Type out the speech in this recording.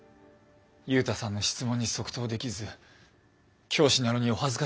ユウタさんの質問に即答できず教師なのにお恥ずかしい限りです。